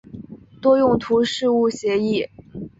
多用途事务协议。